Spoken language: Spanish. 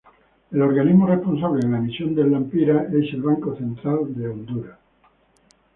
El organismo responsable de la emisión del Lempira es el Banco Central de Honduras.